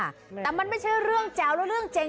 หรือถ้ามึงค้าใจมึงนัดกูได้๒๔โมง